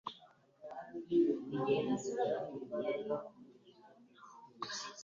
Igihugu cyiza kiryoshye kwisi